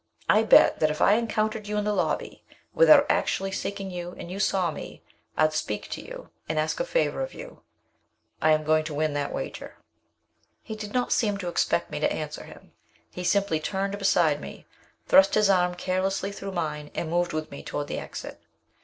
I bet that if I encountered you in the lobby, without actually seeking you, and you saw me, I'd speak to you and ask a favor of you. I am going to win that wager." He did not seem to expect me to answer him. He simply turned beside me, thrust his arm carelessly through mine, and moved with me toward the exit.